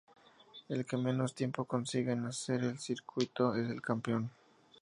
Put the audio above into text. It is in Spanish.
El que menos tiempo consiga en hacer el circuito es el campeón.